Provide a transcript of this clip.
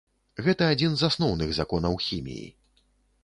Гэта адзін з асноўных законаў хіміі.